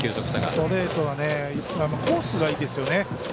ストレートはコースがいいですよね。